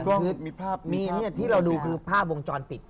แต่สภาทที่เราดูคือภาพวงจรปิด